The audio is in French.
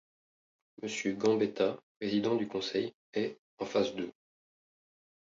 Monsieur Gambetta président du Conseil, est en face d'eux.